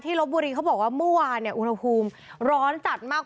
ที่รถบุรีเขาบอกว่าเมื่อวานอุณหภูมิร้อนจัดมาก